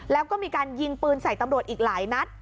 แล้วก็มีการยิงปืนใส่ตำรวจอีกหลายนัด